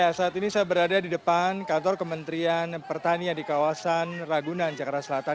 ya saat ini saya berada di depan kantor kementerian pertanian di kawasan ragunan jakarta selatan